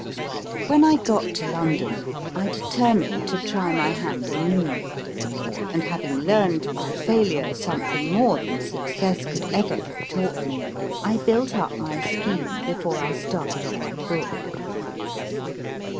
When I got to London I determined to try my hand anew, and, having learned by failure something more than success could ever have taught me, I built up my scheme before I started on my book.